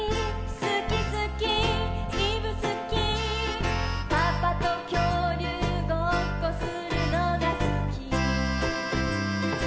「すきすきいぶすき」「パパときょうりゅうごっこするのがすき」